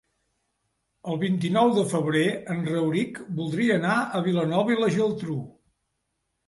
El vint-i-nou de febrer en Rauric voldria anar a Vilanova i la Geltrú.